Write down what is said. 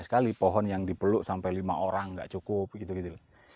sekali kali pohon yang dipeluk sampai lima orang gak cukup gitu gitu